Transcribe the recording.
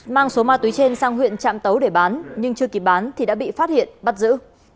mang số ma túy trên sang huyện trạm tấu để bán nhưng chưa kịp bán thì đã bị phát hiện bắt giữ